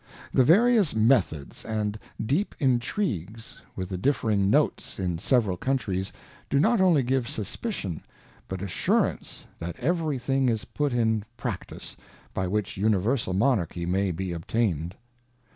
The various Methods and deep Intrigues, with the differing Notes in several Countries, do not only give suspicion, but assurance that every thing is put in Practice, by which universal Monarchy may be obtain'd.